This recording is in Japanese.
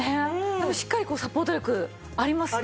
でもしっかりサポート力ありますよね。